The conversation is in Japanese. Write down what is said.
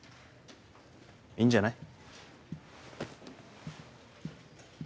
いいんじゃない？